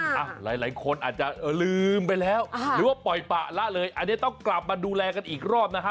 หลายคนอาจจะลืมไปแล้วหรือว่าปล่อยปะละเลยอันนี้ต้องกลับมาดูแลกันอีกรอบนะฮะ